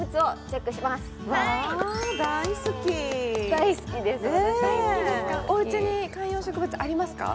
大好きです私もおうちに観葉植物ありますか？